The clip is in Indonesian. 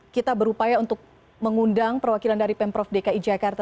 kita berupaya untuk mengundang perwakilan dari pemprov dki jakarta